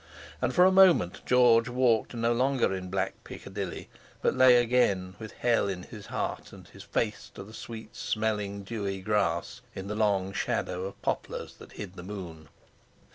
And for a moment George walked no longer in black Piccadilly, but lay again, with hell in his heart, and his face to the sweet smelling, dewy grass, in the long shadow of poplars that hid the moon.